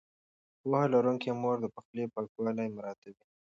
پوهه لرونکې مور د پخلي پاکوالی مراعتوي.